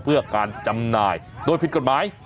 เพื่อการจำหน่ายโดยผิดกฎหมาย